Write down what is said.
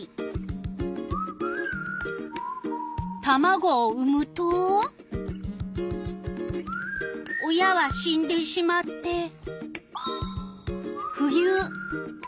タマゴを産むと親は死んでしまって。